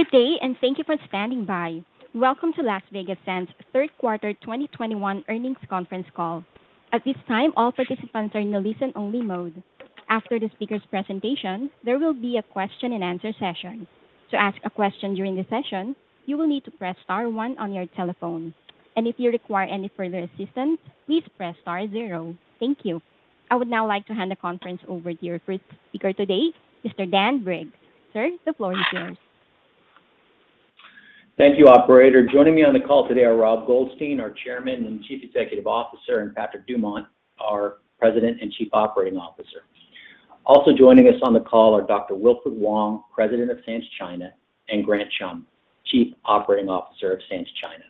Good day, and thank you for standing by! Welcome to the Las Vegas Sands Q3 2021 Earnings Conference Call.At this time, all participants are in a listen-only mode. After the speakers' presentation, there will be a question-and-answer session. To add a question during the session, you will need to press star one on your telephone, and if you require any further assistance, please press star zero. Thank you. I would now like to hand the conference over to your first speaker today, Mr. Daniel Briggs. Sir, the floor is yours. Thank you, operator. Joining me on the call today are Robert Goldstein, our Chairman and Chief Executive Officer, and Patrick Dumont, our President and Chief Operating Officer. Also joining us on the call are Dr. Wilfred Wong, President of Sands China, and Grant Chum, Chief Operating Officer of Sands China.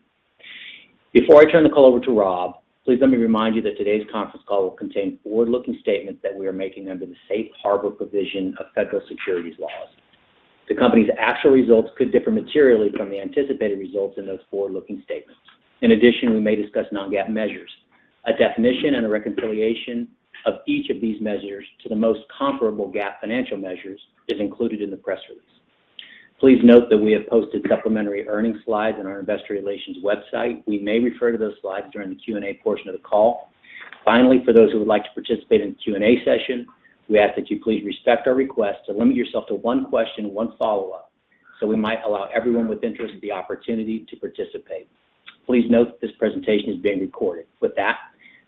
Before I turn the call over to Rob, please let me remind you that today's conference call will contain forward-looking statements that we are making under the safe harbor provision of federal securities laws. The company's actual results could differ materially from the anticipated results in those forward-looking statements. In addition, we may discuss non-GAAP measures. A definition and a reconciliation of each of these measures to the most comparable GAAP financial measures is included in the press release. Please note that we have posted supplementary earnings slides on our investor relations website. We may refer to those slides during the Q&A portion of the call. For those who would like to participate in the Q&A session, we ask that you please respect our request to limit yourself to one question and one follow-up, so we might allow everyone with interest the opportunity to participate. Please note that this presentation is being recorded. With that,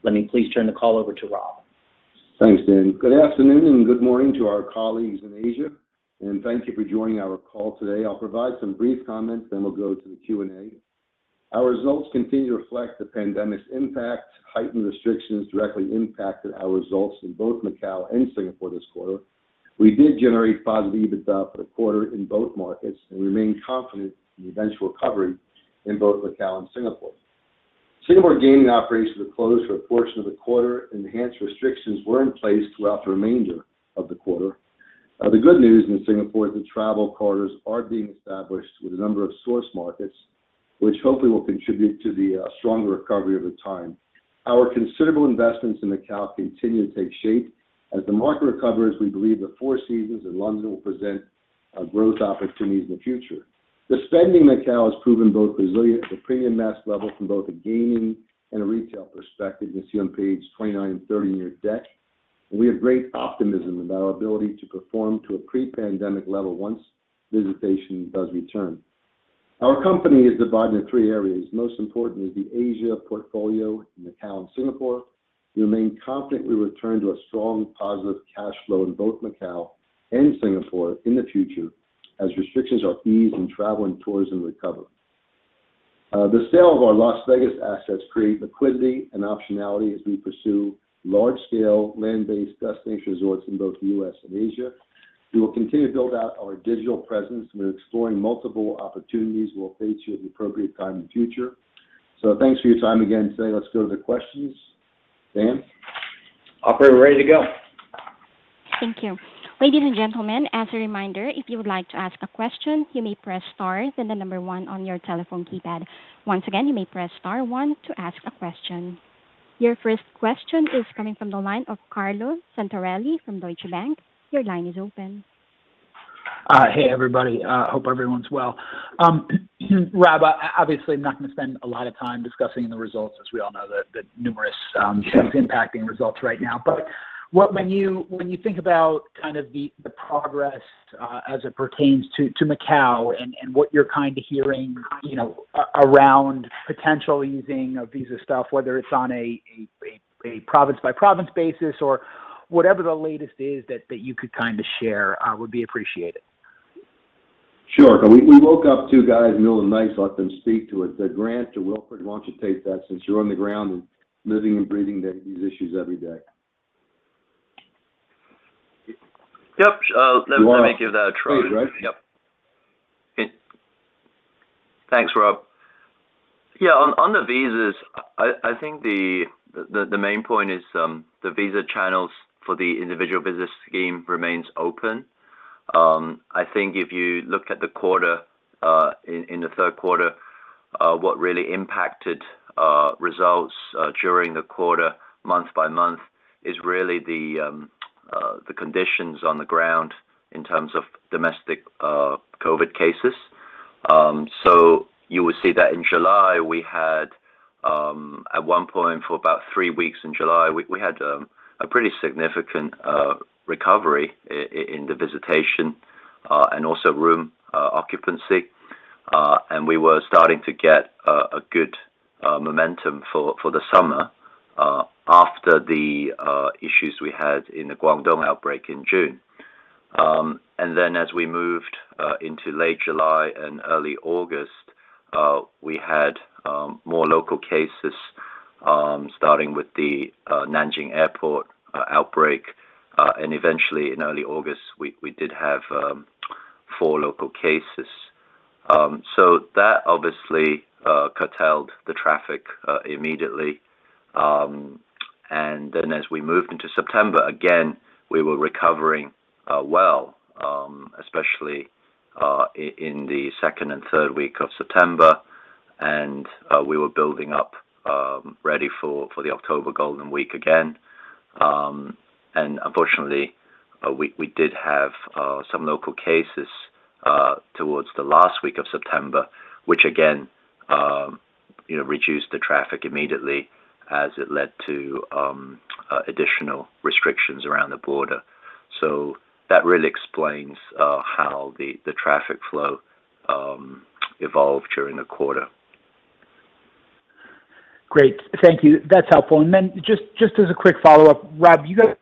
let me please turn the call over to Rob. Thanks, Daniel. Good afternoon and good morning to our colleagues in Asia, and thank you for joining our call today. I'll provide some brief comments, then we'll go to the Q&A. Our results continue to reflect the pandemic's impact. Heightened restrictions directly impacted our results in both Macau and Singapore this quarter. We did generate positive EBITDA for the quarter in both markets and remain confident in the eventual recovery in both Macau and Singapore. Singapore gaming operations were closed for a portion of the quarter. Enhanced restrictions were in place throughout the remainder of the quarter. The good news in Singapore is that travel corridors are being established with a number of source markets, which hopefully will contribute to the stronger recovery over time. Our considerable investments in Macau continue to take shape. As the market recovers, we believe the Four Seasons and Londoner will present growth opportunities in the future. The spending in Macao has proven both resilient at the premium mass level from both a gaming and a retail perspective, you see on page 29 and 30 in your deck. We have great optimism in our ability to perform to a pre-pandemic level once visitation does return. Our company is divided into three areas. Most important is the Asia portfolio in Macao and Singapore. We remain confident we will return to a strong positive cash flow in both Macao and Singapore in the future as restrictions are eased and travel and tourism recover. The sale of our Las Vegas assets create liquidity and optionality as we pursue large-scale land-based destination resorts in both the U.S. and Asia. We will continue to build out our digital presence, and we're exploring multiple opportunities we'll update you at the appropriate time in the future. Thanks for your time again today. Let's go to the questions. Dan? Operator, we're ready to go. Thank you. Ladies and gentlemen, as a reminder, if you would like to ask a question, you may press star, then the number one on your telephone keypad. Once again, you may press star one to ask a question. Your first question is coming from the line of Carlo Santarelli from Deutsche Bank. Your line is open. Hey, everybody. Hope everyone's well. Rob, obviously, I'm not going to spend a lot of time discussing the results, as we all know the numerous things impacting results right now. When you think about the progress as it pertains to Macao and what you're hearing around potential easing of visa stuff, whether it's on a province-by-province basis or whatever the latest is that you could share would be appreciated. Sure. We woke up two guys middle of the night, so I'll let them speak to it. Grant or Wilfred, why don't you take that since you're on the ground and living and breathing these issues every day. Yep. Let me give that a try. Please. Right. Yep. Thanks, Rob. On the visas, I think the main point is the visa channels for the Individual Visit Scheme remains open. I think if you looked at the quarter, in the third quarter, what really impacted results during the quarter month by month is really the conditions on the ground in terms of domestic COVID cases. You will see that in July, we had at one point for about three weeks in July, we had a pretty significant recovery in the visitation, and also room occupancy. We were starting to get a good momentum for the summer after the issues we had in the Guangdong outbreak in June. Then as we moved into late July and early August, we had more local cases, starting with the Nanjing Airport outbreak. Eventually, in early August, we did have four local cases. That obviously curtailed the traffic immediately. As we moved into September, again, we were recovering well, especially in the second and third week of September. We were building up ready for the October Golden Week again. Unfortunately, we did have some local cases towards the last week of September, which again reduced the traffic immediately as it led to additional restrictions around the border. That really explains how the traffic flow evolved during the quarter. Great. Thank you. That's helpful. Just as a quick follow-up, Rob, you guys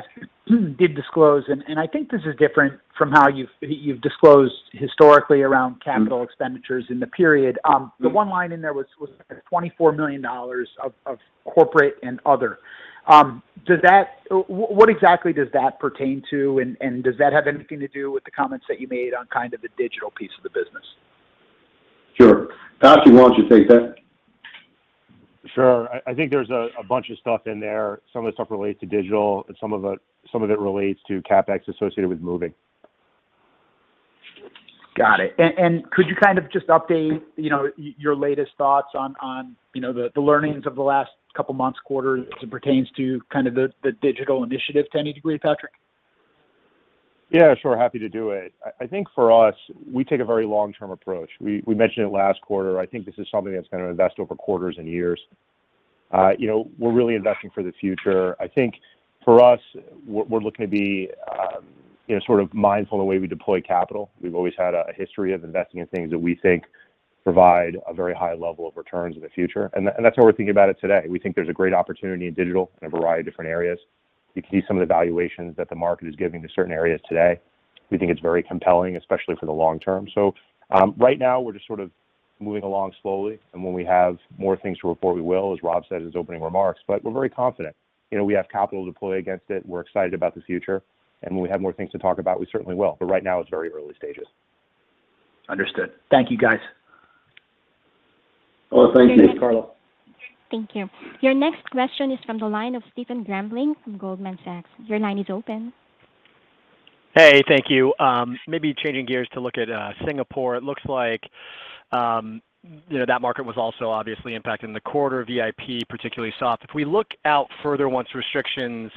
did disclose, and I think this is different from how you've disclosed historically around capital expenditures in the period. The one line in there was $24 million of corporate and other. What exactly does that pertain to, and does that have anything to do with the comments that you made on kind of the digital piece of the business? Sure. Patrick, why don't you take that? Sure. I think there's a bunch of stuff in there. Some of the stuff relates to digital, and some of it relates to CapEx associated with moving. Got it. Could you kind of just update your latest thoughts on the learnings of the last couple months, quarters as it pertains to kind of the digital initiative to any degree, Patrick? Yeah, sure. Happy to do it. I think for us, we take a very long-term approach. We mentioned it last quarter. I think this is something that's going to invest over quarters and years. We're really investing for the future. I think for us, we're looking to be sort of mindful in the way we deploy capital. We've always had a history of investing in things that we think provide a very high level of returns in the future, and that's how we're thinking about it today. We think there's a great opportunity in digital in a variety of different areas. You can see some of the valuations that the market is giving to certain areas today. We think it's very compelling, especially for the long term. Right now, we're just sort of moving along slowly, and when we have more things to report, we will, as Rob said in his opening remarks. We're very confident. We have capital to deploy against it. We're excited about the future, and when we have more things to talk about, we certainly will. Right now, it's very early stages. Understood. Thank you, guys. Oh, thank you. Thanks, Carlo Santarelli. Thank you. Your next question is from the line of Stephen Grambling from Goldman Sachs. Your line is open. Thank you. Changing gears to look at Singapore. It looks like that market was also obviously impacted in the quarter, VIP particularly soft. We look out further once restrictions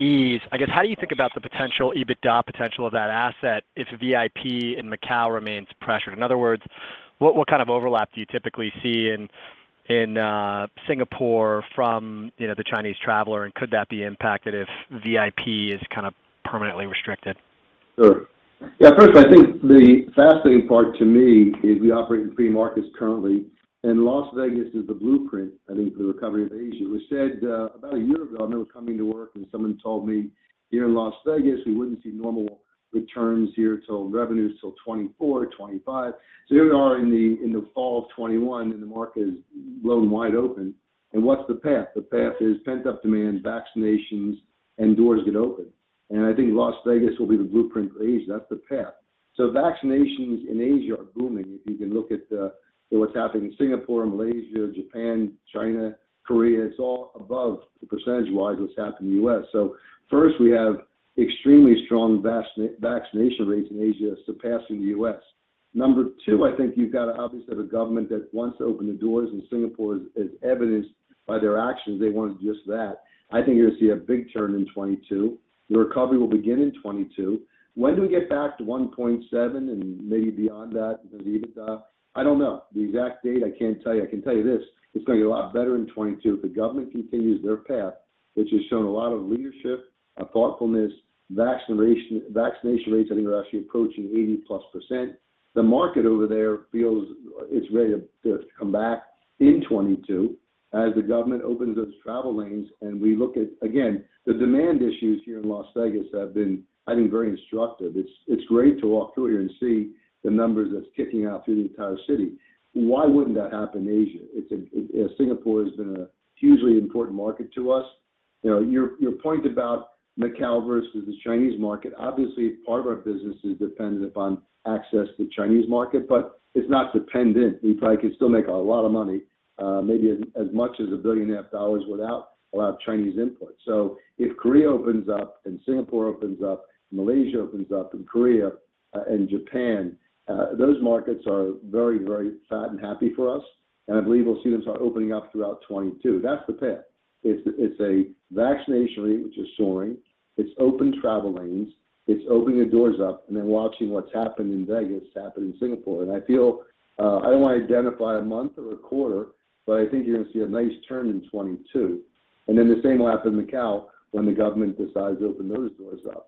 ease, I guess, how do you think about the potential, EBITDA potential of that asset if VIP in Macau remains pressured? In other words, what kind of overlap do you typically see in Singapore from the Chinese traveler, and could that be impacted if VIP is kind of permanently restricted? First, I think the fascinating part to me is we operate in three markets currently, Las Vegas is the blueprint, I think, for the recovery of Asia. We said about one year ago, I remember coming to work and someone told me here in Las Vegas, we wouldn't see normal returns here till revenues till 2024, 2025. Here we are in the fall of 2021, the market is blown wide open. What's the path? The path is pent-up demand, vaccinations, doors get open. I think Las Vegas will be the blueprint for Asia. That's the path. Vaccinations in Asia are booming. If you can look at what's happening in Singapore and Malaysia, Japan, China, Korea, it's all above, percentage-wise, what's happened in the U.S. First, we have extremely strong vaccination rates in Asia surpassing the U.S. Number two, I think you've got obviously a government that wants to open the doors. Singapore, as evidenced by their actions, they want just that. I think you're going to see a big turn in 2022. The recovery will begin in 2022. When do we get back to $1.7 and maybe beyond that in terms of EBITDA? I don't know. The exact date, I can't tell you. I can tell you this, it's going to get a lot better in 2022 if the government continues their path, which has shown a lot of leadership, a thoughtfulness. Vaccination rates I think are actually approaching 80+%. The market over there feels it's ready to come back in 2022 as the government opens those travel lanes. We look at, again, the demand issues here in Las Vegas have been, I think, very instructive. It's great to walk through here and see the numbers that's ticking out through the entire city. Why wouldn't that happen in Asia? Singapore has been a hugely important market to us. Your point about Macao versus the Chinese market, obviously part of our business is dependent upon access to the Chinese market, but it's not dependent. We probably could still make a lot of money, maybe as much as a billion and a half dollars without a lot of Chinese input. If Korea opens up and Singapore opens up, Malaysia opens up, and Korea and Japan, those markets are very, very fat and happy for us, and I believe we'll see them start opening up throughout 2022. That's the path. It's a vaccination rate which is soaring. It's open travel lanes. It's opening the doors up and then watching what's happened in Vegas happen in Singapore. I feel, I don't want to identify a month or a quarter, but I think you're going to see a nice turn in 2022. Then the same will happen in Macau when the government decides to open those doors up.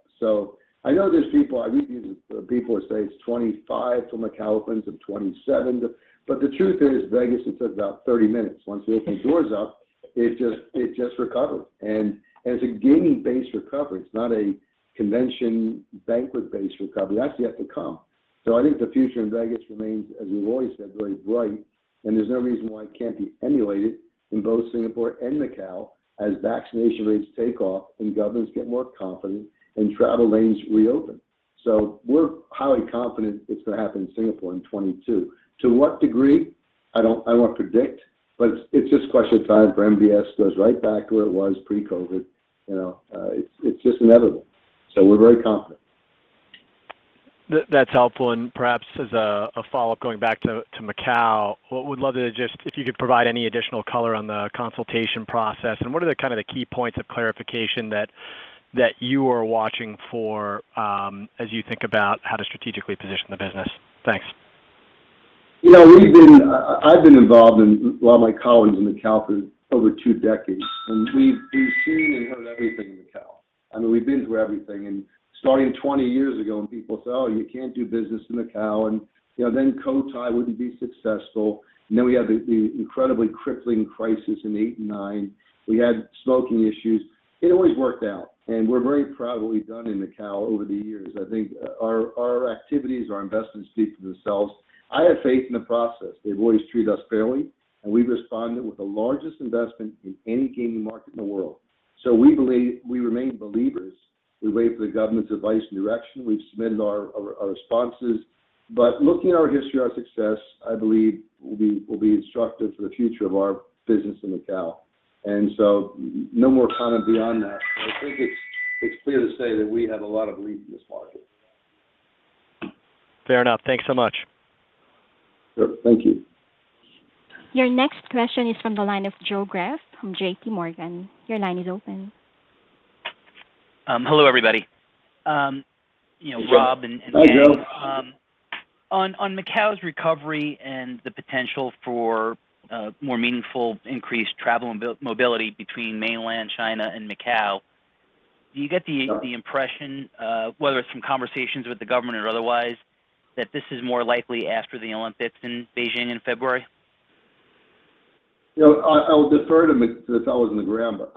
I know there's people, I read these people say it's 2025 till Macau opens, or 2027. The truth is, Vegas, it took about 30 minutes. Once they opened the doors up, it just recovered. It's a gaming-based recovery. It's not a convention, banquet-based recovery. That's yet to come. I think the future in Vegas remains, as Lloyd said, very bright, and there's no reason why it can't be emulated in both Singapore and Macau as vaccination rates take off and governments get more confident and travel lanes reopen. We're highly confident it's going to happen in Singapore in 2022. To what degree? I won't predict, but it's just a question of time for MBS goes right back to where it was pre-COVID. It's just inevitable. We're very confident. That's helpful. Perhaps as a follow-up, going back to Macao, would love it if you could provide any additional color on the consultation process, and what are the key points of clarification that you are watching for as you think about how to strategically position the business? Thanks. I've been involved, a lot of my colleagues in Macao, for over two decades. We've seen and heard everything in Macao. We've been through everything, starting 20 years ago when people said, "Oh, you can't do business in Macao." Cotai wouldn't be successful. We had the incredibly crippling crisis in 2008 and 2009. We had smoking issues. It always worked out, and we're very proud of what we've done in Macao over the years. I think our activities, our investments speak for themselves. I have faith in the process. They've always treated us fairly, and we've responded with the largest investment in any gaming market in the world. We remain believers. We wait for the government's advice and direction. We submit our responses. Looking at our history, our success, I believe will be instructive for the future of our business in Macao. No more comment beyond that. I think it's clear to say that we have a lot of belief in this market. Fair enough. Thanks so much. Sure. Thank you. Your next question is from the line of Joe Greff from JPMorgan. Your line is open. Hello, everybody. Hey, Joe. On Macao's recovery and the potential for more meaningful increased travel and mobility between mainland China and Macao, do you get the impression, whether it's from conversations with the government or otherwise, that this is more likely after the Olympics in Beijing in February? I'll defer to the fellows on the ground, but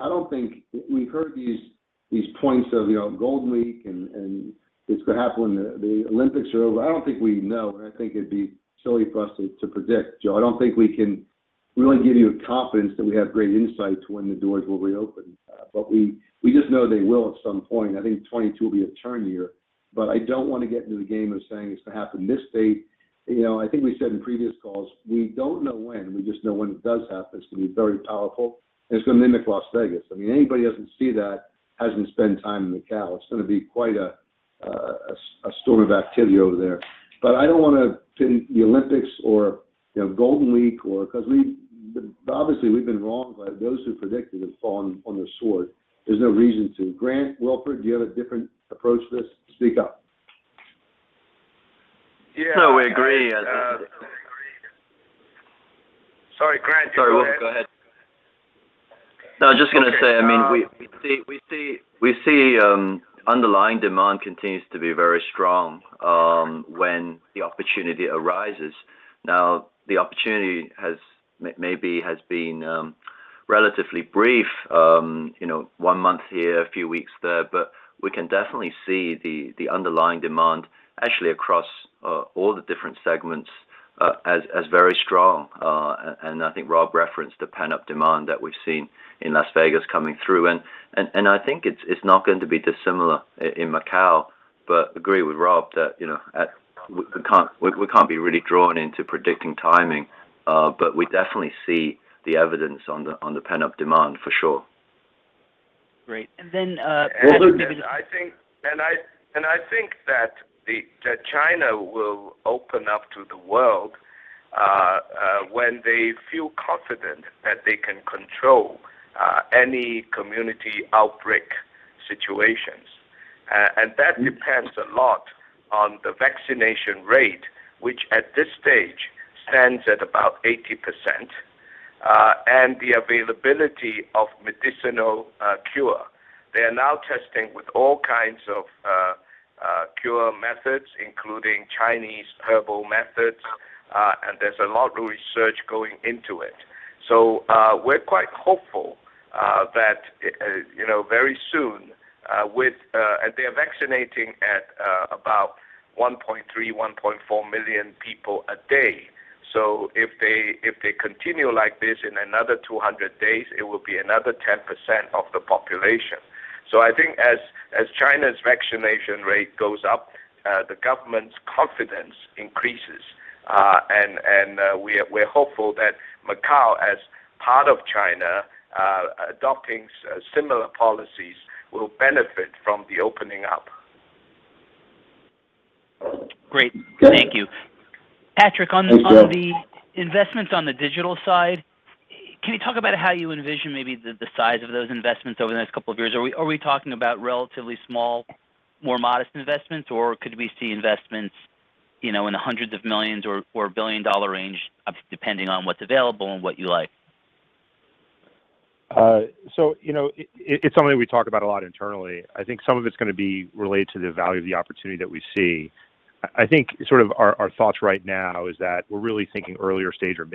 we've heard these points of Golden Week and it's going to happen when the Olympics are over. I don't think we know, and I think it'd be silly for us to predict, Joe. I don't think we can really give you a confidence that we have great insight to when the doors will reopen. We just know they will at some point. I think 22 will be a turn year, but I don't want to get into the game of saying it's going to happen this date. I think we said in previous calls, we don't know when. We just know when it does happen, it's going to be very powerful, and it's going to mimic Las Vegas. Anybody who doesn't see that hasn't spent time in Macao. It's going to be quite a storm of activity over there. I don't want to pin the Olympics or Golden Week, because obviously we've been wrong. Those who predicted have fallen on their sword. There's no reason to. Grant Chum, do you have a different approach to this? Speak up. Yeah. No, we agree. Sorry, Grant, go ahead. Sorry, go ahead. No, I was just going to say, we see underlying demand continues to be very strong when the opportunity arises. Now, the opportunity maybe has been relatively brief. One month here, a few weeks there, but we can definitely see the underlying demand actually across all the different segments, as very strong. I think Robert referenced the pent-up demand that we've seen in Las Vegas coming through. I think it's not going to be dissimilar in Macao, but agree with Robert that we can't be really drawn into predicting timing. We definitely see the evidence on the pent-up demand, for sure. Great. Patrick, maybe. I think that China will open up to the world when they feel confident that they can control any community outbreak situations. That depends a lot on the vaccination rate, which at this stage, stands at about 80%, and the availability of medicinal cure. They are now testing with all kinds of cure methods, including Chinese herbal methods, and there's a lot of research going into it. We're quite hopeful that very soon. They're vaccinating at about 1.3, 1.4 million people a day. If they continue like this, in another 200 days, it will be another 10% of the population. I think as China's vaccination rate goes up, the government's confidence increases. We're hopeful that Macao, as part of China, adopting similar policies, will benefit from the opening up. Great. Thank you. Patrick, on the investments on the digital side, can you talk about how you envision maybe the size of those investments over the next couple of years? Are we talking about relatively small, more modest investments, or could we see investments in the hundreds of millions or billion-dollar range, depending on what's available and what you like? It's something we talk about a lot internally. I think some of it's going to be related to the value of the opportunity that we see. I think our thoughts right now is that we're really thinking earlier stage or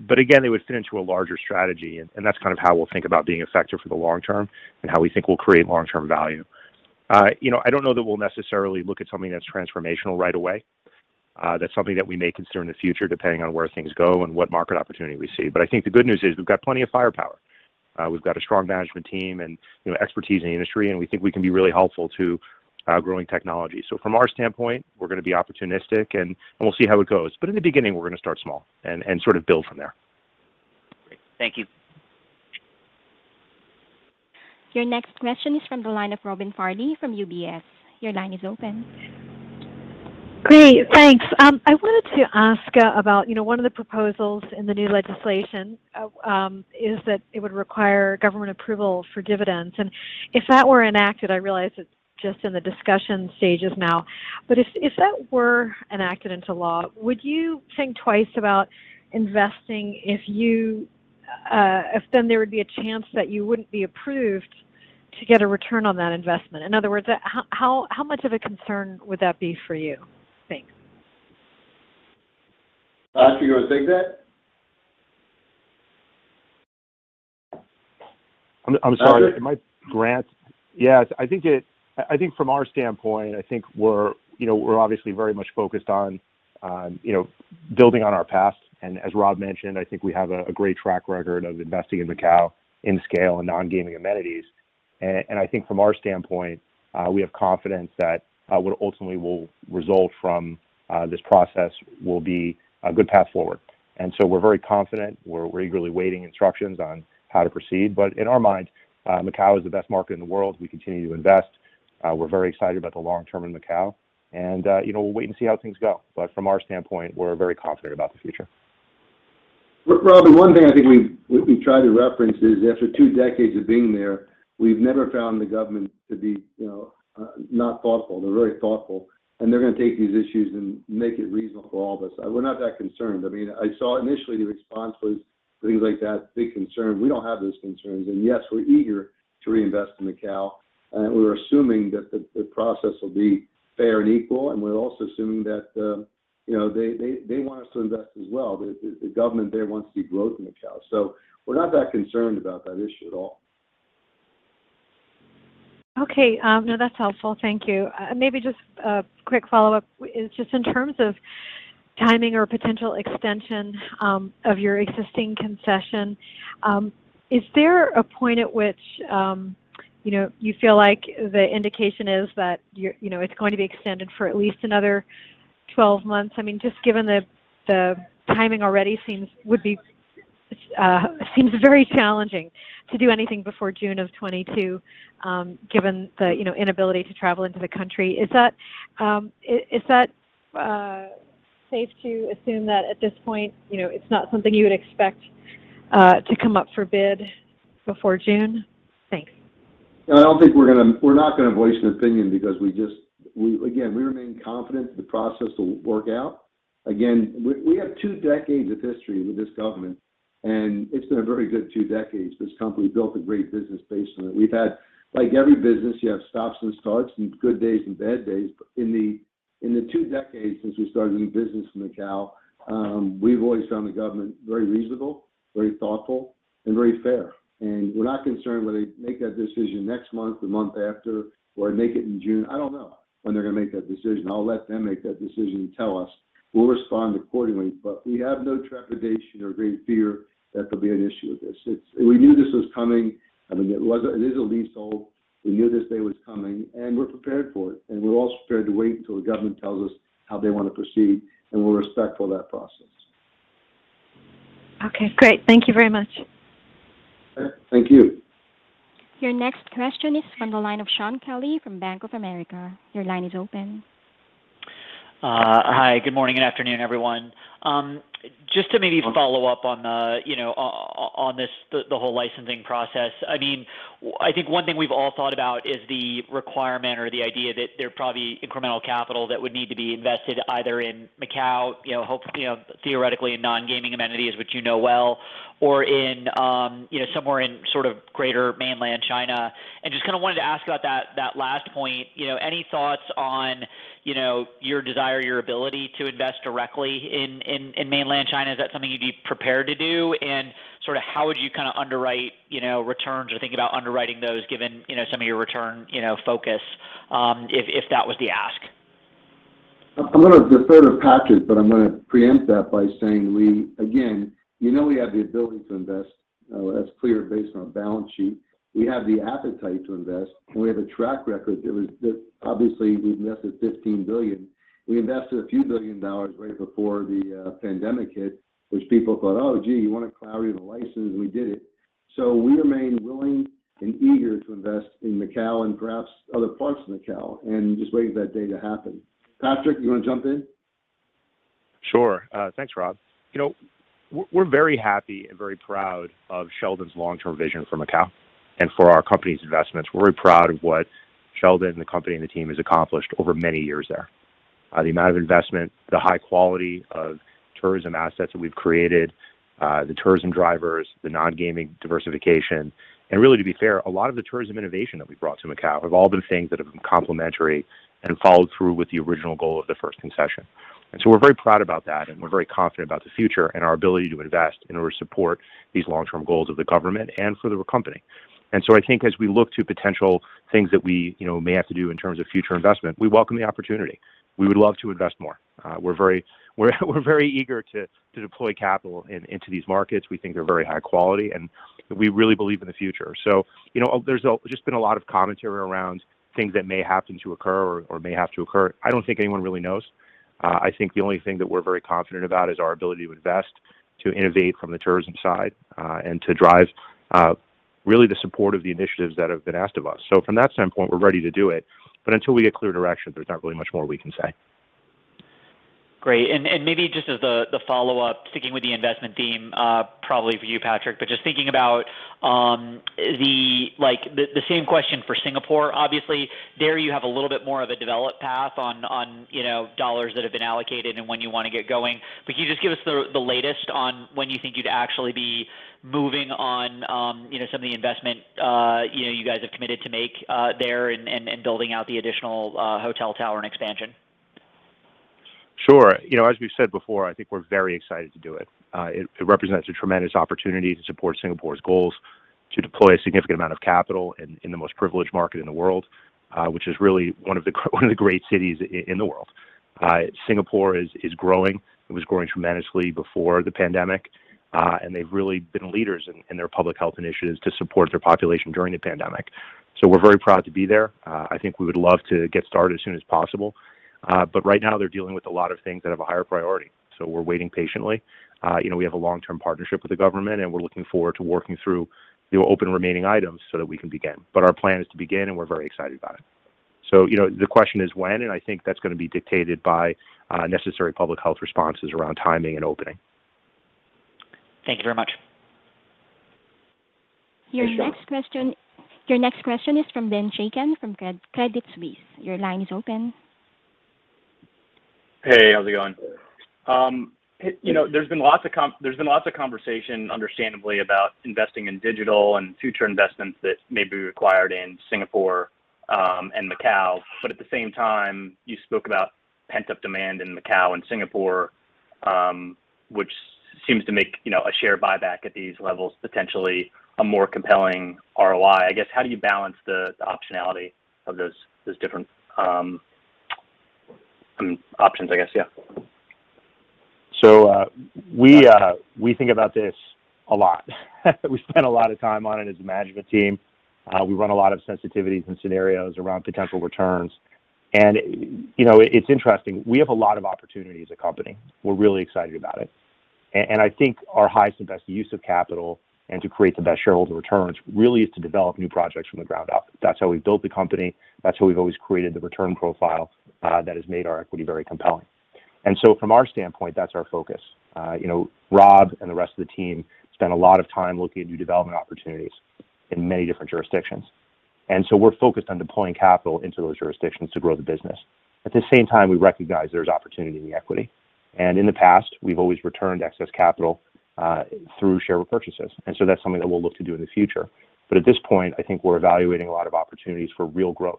mid-stage. Again, it would fit into a larger strategy, and that's how we'll think about being effective for the long term and how we think we'll create long-term value. I don't know that we'll necessarily look at something that's transformational right away. That's something that we may consider in the future, depending on where things go and what market opportunity we see. I think the good news is we've got plenty of firepower. We've got a strong management team and expertise in the industry, and we think we can be really helpful to growing technology. From our standpoint, we're going to be opportunistic, and we'll see how it goes. In the beginning, we're going to start small and build from there. Great. Thank you. Your next question is from the line of Robin Farley from UBS. Your line is open. Great, thanks. I wanted to ask about one of the proposals in the new legislation, is that it would require government approval for dividends. If that were enacted, I realize it's just in the discussion stages now, but if that were enacted into law, would you think twice about investing if then there would be a chance that you wouldn't be approved to get a return on that investment? In other words, how much of a concern would that be for you? Thanks. Patrick, you want to take that? I'm sorry. Grant? Yes, I think from our standpoint, I think we're obviously very much focused on building on our past. As Rob mentioned, I think we have a great track record of investing in Macau in scale and non-gaming amenities. From our standpoint, I think we have confidence that what ultimately will result from this process will be a good path forward. We're very confident. We're eagerly awaiting instructions on how to proceed. In our mind, Macau is the best market in the world. We continue to invest. We're very excited about the long-term in Macau and we'll wait and see how things go. From our standpoint, we're very confident about the future. Robin, one thing I think we try to reference is after two decades of being there, we've never found the government to be not thoughtful. They're very thoughtful, and they're going to take these issues and make it reasonable for all of us. We're not that concerned. I saw initially the response was things like that, big concern. We don't have those concerns. Yes, we're eager to reinvest in Macau, and we're assuming that the process will be fair and equal, and we're also assuming that they want us to invest as well. The government there wants to see growth in Macau. We're not that concerned about that issue at all. Okay. No, that's helpful. Thank you. Maybe just a quick follow-up. Just in terms of timing or potential extension of your existing concession, is there a point at which you feel like the indication is that it's going to be extended for at least another 12 months? Just given the timing already seems very challenging to do anything before June of 2022, given the inability to travel into the country. Is that safe to assume that at this point, it's not something you would expect to come up for bid before June? Thanks. No, we're not going to voice an opinion because we remain confident that the process will work out. Again, we have two decades of history with this government, and it's been a very good two decades. This company built a great business based on it. Like every business, you have stops and starts, and good days and bad days. In the two decades since we started doing business in Macao, we've always found the government very reasonable, very thoughtful, and very fair. We're not concerned whether they make that decision next month, the month after, or make it in June. I don't know when they're going to make that decision. I'll let them make that decision and tell us. We'll respond accordingly. We have no trepidation or great fear that there'll be an issue with this. We knew this was coming. It is a leasehold. We knew this day was coming, and we're prepared for it. We're also prepared to wait until the government tells us how they want to proceed, and we're respectful of that process Okay, great. Thank you very much. Thank you. Your next question is from the line of Shaun Kelley from Bank of America. Your line is open. Hi, good morning and afternoon, everyone. Just to maybe follow up on the whole licensing process. I think one thing we've all thought about is the requirement or the idea that there is probably incremental capital that would need to be invested either in Macau, theoretically in non-gaming amenities, which you know well, or somewhere in greater mainland China. Just wanted to ask about that last point. Any thoughts on your desire, your ability to invest directly in mainland China? Is that something you'd be prepared to do? How would you underwrite returns or think about underwriting those given some of your return focus, if that was the ask? I'm going to defer to Patrick, but I'm going to preempt that by saying, again, you know we have the ability to invest. That's clear based on our balance sheet. We have the appetite to invest, and we have a track record that obviously we've invested $15 billion. We invested a few billion dollars right before the pandemic hit, which people thought, "Oh, gee, you want to plow into a license?" We did it. We remain willing and eager to invest in Macau and perhaps other parts of Macau and just waiting for that day to happen. Patrick, you want to jump in? Sure. Thanks, Rob. We're very happy and very proud of Sheldon's long-term vision for Macau and for our company's investments. We're very proud of what Sheldon, the company, and the team has accomplished over many years there. The amount of investment, the high quality of tourism assets that we've created, the tourism drivers, the non-gaming diversification, and really, to be fair, a lot of the tourism innovation that we've brought to Macau have all been things that have been complementary and followed through with the original goal of the first concession. We're very proud about that, and we're very confident about the future and our ability to invest in order to support these long-term goals of the government and for the company. I think as we look to potential things that we may have to do in terms of future investment, we welcome the opportunity. We would love to invest more. We're very eager to deploy capital into these markets. We think they're very high quality, and we really believe in the future. There's just been a lot of commentary around things that may happen to occur or may have to occur. I don't think anyone really knows. I think the only thing that we're very confident about is our ability to invest, to innovate from the tourism side, and to drive really the support of the initiatives that have been asked of us. From that standpoint, we're ready to do it, but until we get clear direction, there's not really much more we can say. Great. Maybe just as the follow-up, sticking with the investment theme, probably for you, Patrick, just thinking about the same question for Singapore, obviously. There, you have a little bit more of a developed path on dollars that have been allocated and when you want to get going. Can you just give us the latest on when you think you'd actually be moving on some of the investment you guys have committed to make there and building out the additional hotel tower and expansion? Sure. As we've said before, I think we're very excited to do it. It represents a tremendous opportunity to support Singapore's goals to deploy a significant amount of capital in the most privileged market in the world, which is really one of the great cities in the world. Singapore is growing. It was growing tremendously before the pandemic. They've really been leaders in their public health initiatives to support their population during the pandemic. We're very proud to be there. I think we would love to get started as soon as possible. Right now they're dealing with a lot of things that have a higher priority, so we're waiting patiently. We have a long-term partnership with the government, and we're looking forward to working through the open remaining items so that we can begin. Our plan is to begin, and we're very excited about it. The question is when, and I think that's going to be dictated by necessary public health responses around timing and opening. Thank you very much. Hey, Shaun. Your next question is from Ben Chaiken from Credit Suisse. Your line is open. Hey, how's it going? There's been lots of conversation, understandably, about investing in digital and future investments that may be required in Singapore and Macau. At the same time, you spoke about pent-up demand in Macau and Singapore, which seems to make a share buyback at these levels, potentially, a more compelling ROI. I guess, how do you balance the optionality of those different options, I guess? Yeah. We think about this a lot. We spend a lot of time on it as a management team. We run a lot of sensitivities and scenarios around potential returns. It's interesting, we have a lot of opportunity as a company. We're really excited about it. I think our highest and best use of capital, and to create the best shareholder returns, really is to develop new projects from the ground up. That's how we've built the company. That's how we've always created the return profile that has made our equity very compelling. From our standpoint, that's our focus. Rob and the rest of the team spend a lot of time looking at new development opportunities in many different jurisdictions. We're focused on deploying capital into those jurisdictions to grow the business. At the same time, we recognize there's opportunity in the equity, and in the past, we've always returned excess capital through share repurchases. That's something that we'll look to do in the future. At this point, I think we're evaluating a lot of opportunities for real growth.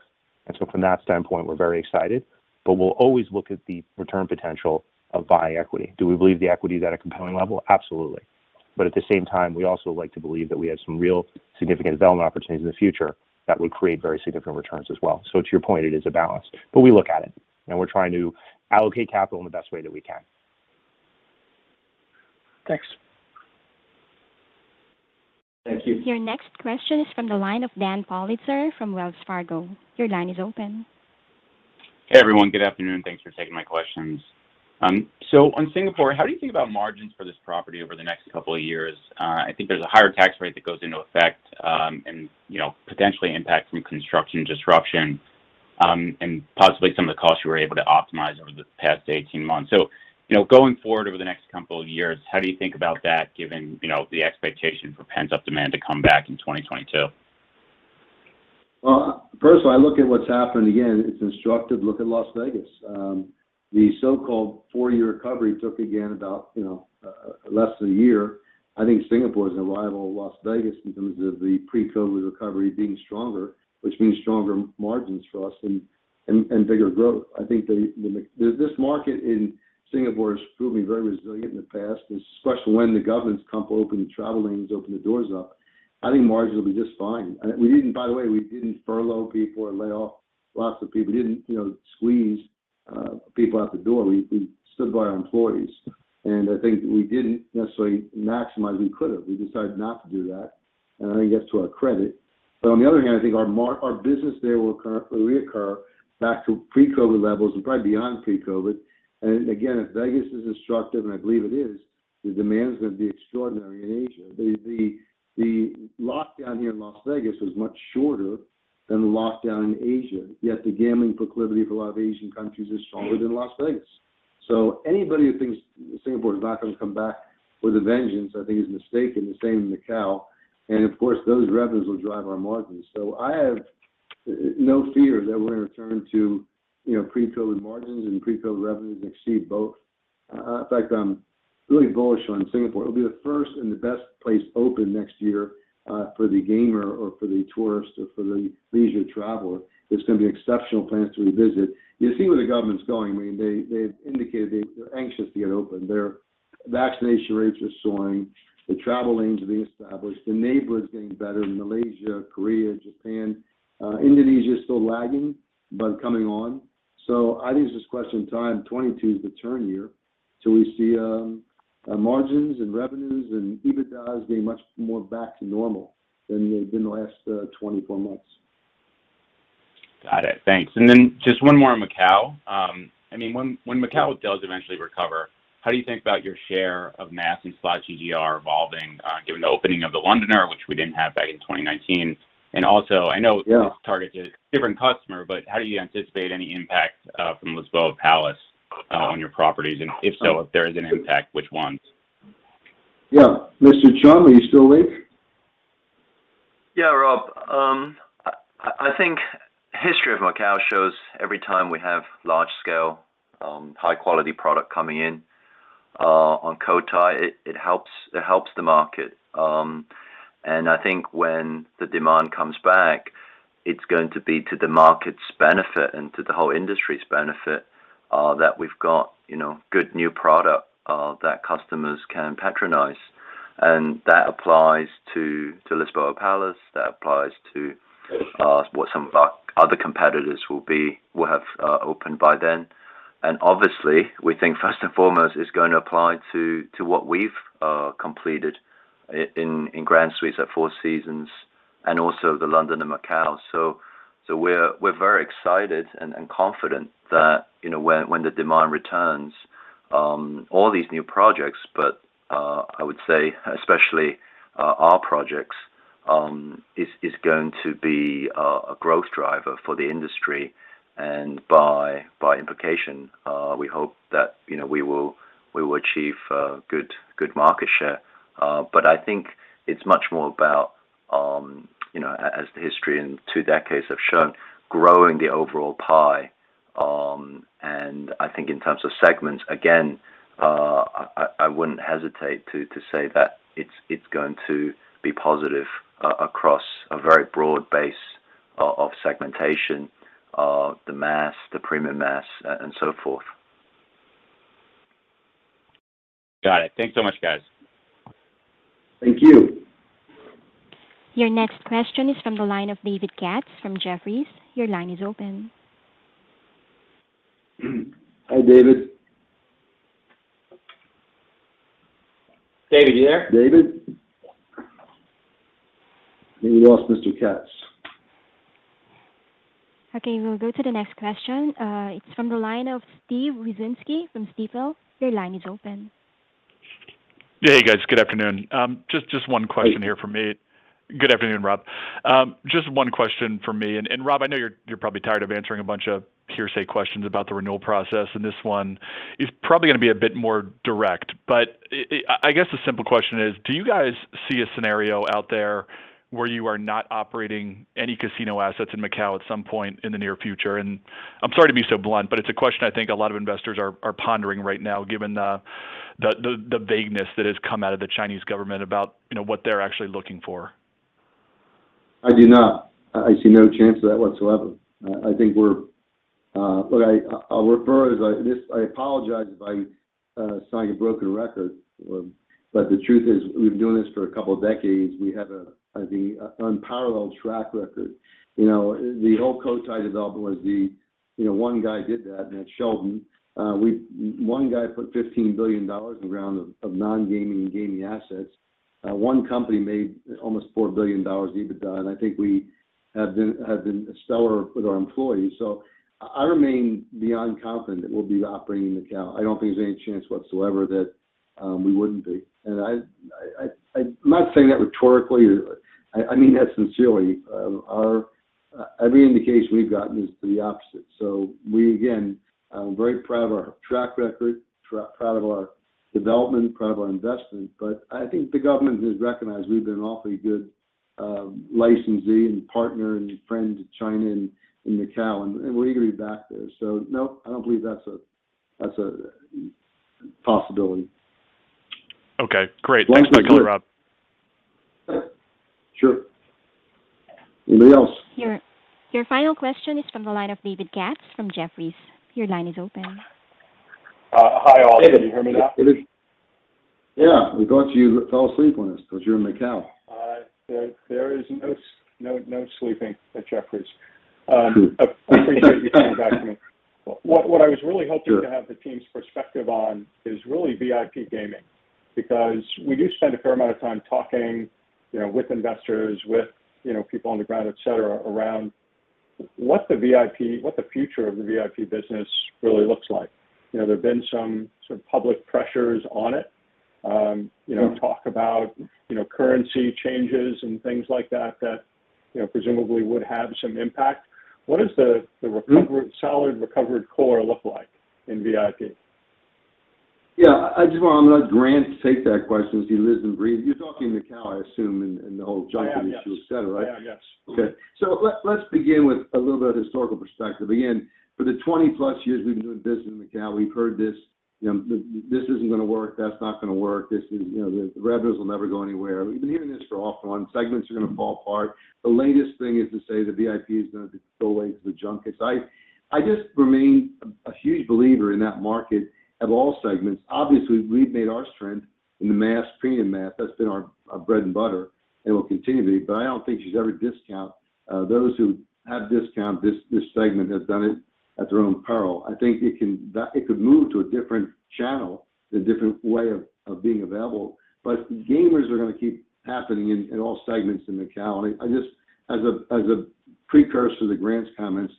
From that standpoint, we're very excited, but we'll always look at the return potential of buying equity. Do we believe the equity's at a compelling level? Absolutely. At the same time, we also like to believe that we have some real significant development opportunities in the future that would create very significant returns as well. To your point, it is a balance. We look at it, and we're trying to allocate capital in the best way that we can. Thanks. Thank you. Your next question is from the line of Daniel Politzer from Wells Fargo. Your line is open. Hey, everyone. Good afternoon. Thanks for taking my questions. On Singapore, how do you think about margins for this property over the next couple of years? I think there's a higher tax rate that goes into effect, and potentially impact from construction disruption, and possibly some of the costs you were able to optimize over the past 18 months. Going forward over the next couple of years, how do you think about that given the expectation for pent-up demand to come back in 2022? Well, first of all, I look at what's happened. Again, it's instructive. Look at Las Vegas. The so-called four year recovery took again about less than a year. I think Singapore is a rival of Las Vegas in terms of the pre-COVID recovery being stronger, which means stronger margins for us and bigger growth. I think this market in Singapore has proven very resilient in the past, especially when the governments come open the travel lanes, open the doors up, I think margins will be just fine. By the way, we didn't furlough people or lay off lots of people. We didn't squeeze people out the door. We stood by our employees. I think we didn't necessarily maximize. We could have. We decided not to do that, and I think that's to our credit. On the other hand, I think our business there will reoccur back to pre-COVID levels and probably beyond pre-COVID. Again, if Vegas is instructive, and I believe it is, the demand's going to be extraordinary in Asia. The lockdown here in Las Vegas was much shorter than the lockdown in Asia, yet the gambling proclivity for a lot of Asian countries is stronger than Las Vegas. Anybody who thinks Singapore is not going to come back with a vengeance, I think is mistaken. The same in Macau. Of course, those revenues will drive our margins. I have no fear that we're going to return to pre-COVID margins and pre-COVID revenues and exceed both. In fact, I'm really bullish on Singapore. It'll be the first and the best place open next year, for the gamer or for the tourist or for the leisure traveler. It's going to be exceptional plans to revisit. You see where the government's going. They've indicated they're anxious to get open. Their vaccination rates are soaring. The travel lanes are being established. The neighborhood's getting better in Malaysia, Korea, Japan. Indonesia's still lagging, but coming on. I think it's just a question of time. 2022 is the turn year till we see margins and revenues and EBITDAs being much more back to normal than they've been the last 24 months. Got it. Thanks. Then just one more on Macau. When Macau does eventually recover, how do you think about your share of mass and slot GGR evolving, given the opening of The Londoner, which we didn't have back in 2019? also, I know- Yeah This targets a different customer, how do you anticipate any impact from Lisboa Palace on your properties? If so, if there is an impact, which ones? Yeah. Mr. Chum, are you still with? Yeah, Rob. I think history of Macao shows every time we have large scale, high quality product coming in on Cotai, it helps the market. I think when the demand comes back, it's going to be to the market's benefit and to the whole industry's benefit that we've got good new product that customers can patronize. That applies to Lisboa Palace. That applies to what some of our other competitors will have opened by then. Obviously, we think first and foremost, it's going to apply to what we've completed in The Grand Suites at Four Seasons and also The Londoner Macao. We're very excited and confident that when the demand returns, all these new projects, but I would say especially our projects, is going to be a growth driver for the industry. By implication, we hope that we will achieve good market share. I think it's much more about, as the history and two decades have shown, growing the overall pie. I think in terms of segments, again, I wouldn't hesitate to say that it's going to be positive across a very broad base of segmentation of the mass, the premium mass, and so forth. Got it. Thanks so much, guys. Thank you. Your next question is from the line of David Katz from Jefferies. Your line is open. Hi, David. David, you there? David? I think we lost Mr. Katz. Okay, we'll go to the next question. It's from the line of Steven Wieczynski from Stifel. Your line is open. Yeah. Hey, guys. Good afternoon. Just one question here from me. Hey. Good afternoon, Rob. Just one question from me. Rob, I know you're probably tired of answering a bunch of hearsay questions about the renewal process, I guess the simple question is: Do you guys see a scenario out there where you are not operating any casino assets in Macau at some point in the near future? I'm sorry to be so blunt, but it's a question I think a lot of investors are pondering right now, given the vagueness that has come out of the Chinese government about what they're actually looking for. I do not. I see no chance of that whatsoever. I apologize if I sound like a broken record. The truth is, we've been doing this for a couple of decades. We have the unparalleled track record. The whole Cotai development was the one guy did that. That's Sheldon. One guy put $15 billion on the ground of non-gaming and gaming assets. One company made almost $4 billion in EBITDA. I think we have been stellar with our employees. I remain beyond confident that we'll be operating in Macau. I don't think there's any chance whatsoever that we wouldn't be. I'm not saying that rhetorically. I mean that sincerely. Every indication we've gotten is to the opposite. We, again, I'm very proud of our track record, proud of our development, proud of our investment, but I think the government has recognized we've been an awfully good licensee and partner and friend to China and Macau, and we're eager to be back there. No, I don't believe that's a possibility. Okay, great. Thanks for my clarity. Thanks. Sure. Anybody else? Your final question is from the line of David Katz from Jefferies. Your line is open. Hi, all. Can you hear me now? David. Yeah, we thought you fell asleep on us because you're in Macao. There is no sleeping at Jefferies. Good. Appreciate you coming back to me. What I was really hoping to have the team's perspective on is really VIP gaming, because we do spend a fair amount of time talking with investors, with people on the ground, et cetera, around what the future of the VIP business really looks like. There have been some sort of public pressures on it. Talk about currency changes and things like that presumably would have some impact. What is the solid recovered core look like in VIP? Yeah. I'm going to let Grant take that question since he lives and breathes. You're talking Macau, I assume, and the whole junket issue, et cetera, right? Yeah. Yes. Let's begin with a little bit of historical perspective. Again, for the 20-plus years we've been doing business in Macao, we've heard this, "This isn't going to work. That's not going to work. The revenues will never go anywhere." We've been hearing this for often. Segments are going to fall apart. The latest thing is to say that VIP is going to go away to the junkets. I just remain a huge believer in that market of all segments. Obviously, we've made our strength in the mass, premium mass. That's been our bread and butter, and will continue to be, but I don't think you should ever discount those who have discount. This segment has done it at their own peril. I think it could move to a different channel and different way of being available. Gamers are going to keep happening in all segments in Macao. Just as a precursor to Grant's comments,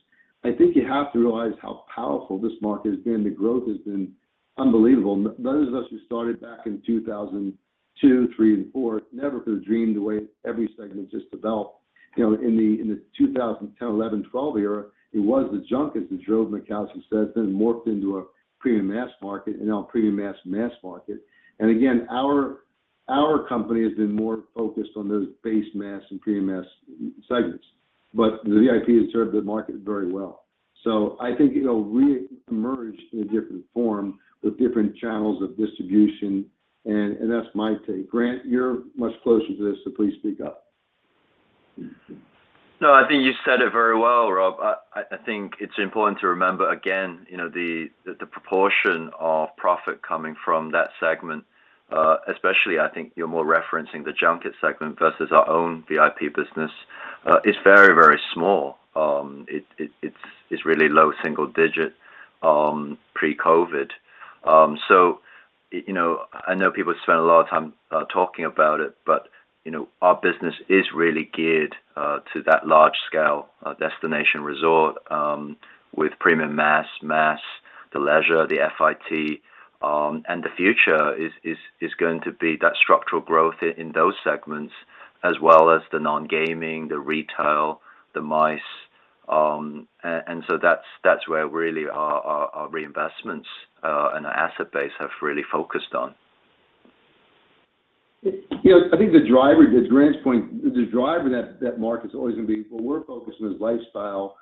I think you have to realize how powerful this market has been. The growth has been unbelievable. Those of us who started back in 2002, 2003, and 2004, never could've dreamed the way every segment just developed. In the 2010, 2011, 2012 era, it was the junkets that drove Macau, as you said, then it morphed into a premium mass market and now a premium mass market. Again, our company has been more focused on those base mass and premium mass segments, but VIP has served the market very well. I think it'll reemerge in a different form with different channels of distribution, and that's my take. Grant, you're much closer to this, so please speak up. No, I think you said it very well, Robert Goldstein. I think it's important to remember, again, the proportion of profit coming from that segment, especially, I think you're more referencing the junket segment versus our own VIP business, is very, very small. It's really low single-digit pre-COVID. I know people have spent a lot of time talking about it, but our business is really geared to that large scale destination resort with premium mass, the leisure, the FIT. The future is going to be that structural growth in those segments, as well as the non-gaming, the retail, the MICE. That's where really our reinvestments and our asset base have really focused on. I think to Grant's point, the driver in that market is always going to be, well, we're focused on this lifestyle,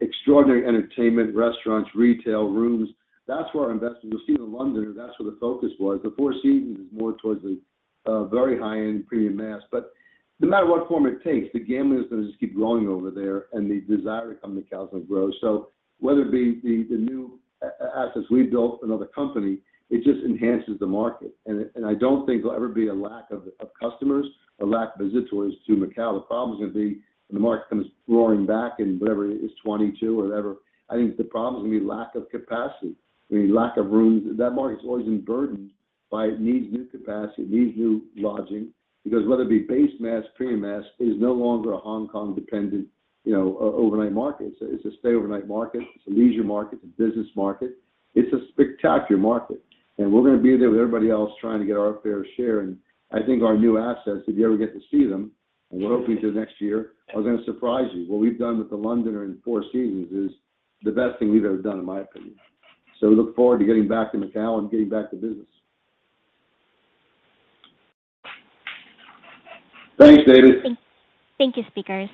extraordinary entertainment, restaurants, retail, rooms. That's where our investment. You'll see in The Londoner, that's where the focus was. No matter what form it takes, the gambling is going to just keep growing over there and the desire to come to Macao is going to grow. Whether it be the new assets we built or another company, it just enhances the market, and I don't think there'll ever be a lack of customers or lack of visitors to Macao. The problem is going to be when the market comes roaring back in whatever it is, 2022 or whatever, I think the problem is going to be lack of capacity. It'll be lack of rooms. That market's always been burdened by it needs new capacity. It needs new lodging. Whether it be base mass, premium mass, it is no longer a Hong Kong dependent overnight market. It's a stay overnight market. It's a leisure market. It's a business market. It's a spectacular market, and we're going to be there with everybody else trying to get our fair share. I think our new assets, if you ever get to see them, and we're hoping to next year, are going to surprise you. What we've done with The Londoner and Four Seasons is the best thing we've ever done, in my opinion. We look forward to getting back to Macao and getting back to business. Thanks, David. Thank you, speakers.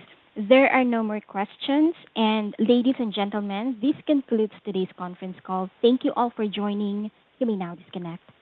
There are no more questions. Ladies and gentlemen, this concludes today's conference call. Thank you all for joining. You may now disconnect.